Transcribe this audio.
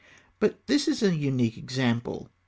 But this is a unique example.